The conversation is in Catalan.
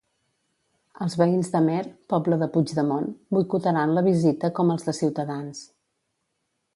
Els veïns d'Amer, poble de Puigdemont, boicotaran la visita com els de Ciutadans.